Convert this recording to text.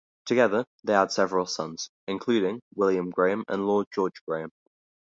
Together they had several sons, including William Graham and Lord George Graham.